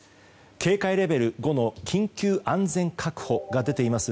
警戒レベル５の緊急安全確保が出ています